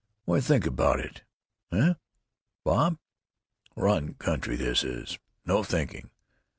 What d'you think about it, heh, Bob?... Bum country, this is. No thinking.